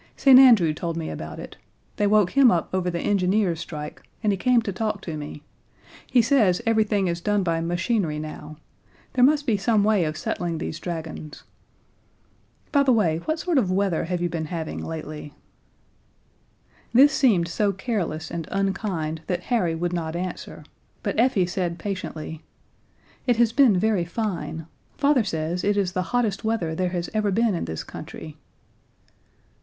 St. Andrew told me about it. They woke him up over the engineers' strike, and he came to talk to me. He says everything is done by machinery now; there must be some way of settling these dragons. By the way, what sort of weather have you been having lately?" This seemed so careless and unkind that Harry would not answer, but Effie said patiently, "It has been very fine. Father says it is the hottest weather there has ever been in this country."